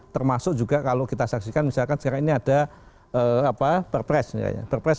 termasuk juga kalau kita saksikan misalkan sekarang ini ada perpres